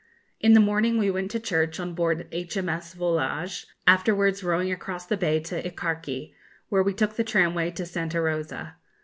In the morning, we went to church on board H.M.S. 'Volage,' afterwards rowing across the bay to Icaraky, where we took the tramway to Santa Rosa.